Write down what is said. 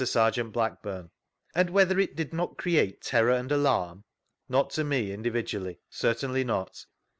Serjeant Blackburne: And whether it did not create terrwr and alarm?— Not to me in dividually, certainly not.